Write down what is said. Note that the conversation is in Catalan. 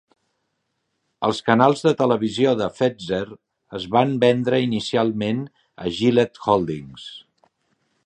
Els canals de televisió de Fetzer es van vendre inicialment a Gillett Holdings.